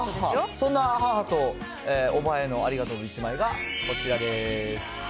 そんな母と叔母へのありがとうの１枚がこちらです。